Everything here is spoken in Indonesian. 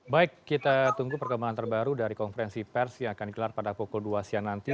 baik kita tunggu perkembangan terbaru dari konferensi pers yang akan dikelar pada pukul dua siang nanti